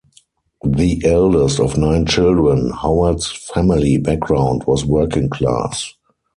The eldest of nine children, Howard's family background was working class.